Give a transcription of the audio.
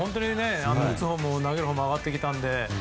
打つほうも投げるほうも上がってきたので。